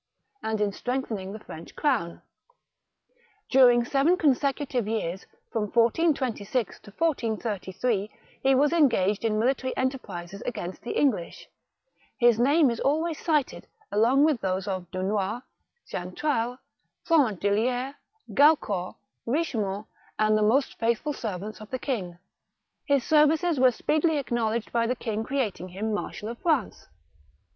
and in strengthening the French crown. During seven consecutive years, from 1426 to 1433, he was engaged in military enterprises against the EngHsh ; his name is always cited along with those of Dunois, Xaintrailles, Florent d'llliers, Gaucourt, Eichemont, and the most faithful servants of the king. His services were speedily acknowledged by the king creating him Marshal of France.